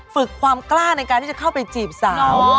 ฝึกความกล้าในการที่จะเข้าไปจีบสาว